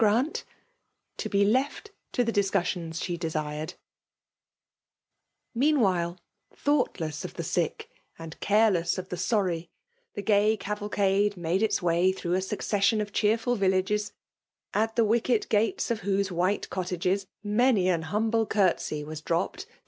^anV' to be loft to the fliscusaioiw she , Moanwliik, thoughtless of the ock, aadxam leas of the sorry, tbe:gay cavalcade made its way through a succession of cheerful viUafpn^ s^ the wioket ^gates of whose white cottages nuuay an humble curtsey was dropped to